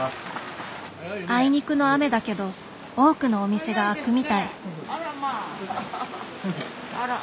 あいにくの雨だけど多くのお店が開くみたい。